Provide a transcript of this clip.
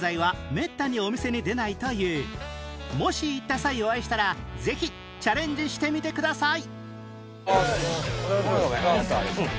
もし行った際お会いしたらぜひチャレンジしてみてください